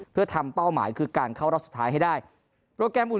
เพื่อทำเป้าหมายคือการเข้ารอบสุดท้ายให้ได้โปรแกรมอุ่น